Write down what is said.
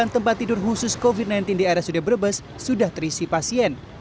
satu ratus lima puluh sembilan tempat tidur khusus covid sembilan belas di rsud brebes sudah terisi pasien